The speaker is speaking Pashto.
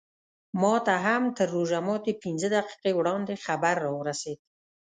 ماته هم تر روژه ماتي پینځه دقیقې وړاندې خبر راورسېد.